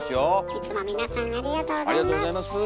いつも皆さんありがとうございます。